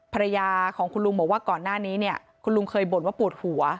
ภรรยาของคุณลุงบอกว่าก่อนหน้านี้เนี่ยคุณลุงเคยบ่นว่าปวดหัว